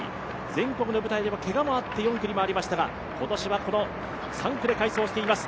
全国の舞台ではけがもあって４区に回りましたが、今年はこの３区で快走しています。